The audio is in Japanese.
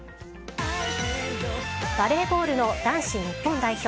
バレーボールの男子日本代表。